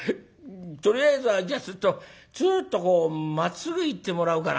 とりあえずはじゃツーッとツーッとこうまっすぐ行ってもらおうかな」。